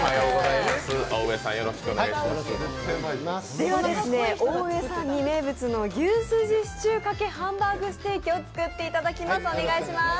では大上さんに名物の牛すじシチューかけハンバーグステーキを作っていただきます。